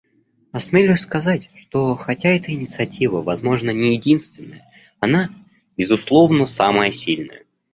Осмелюсь сказать, что, хотя эта инициатива, возможно, не единственная, она, безусловно, самая сильная.